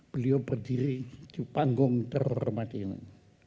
beliau berdiri di panggung terhormat ini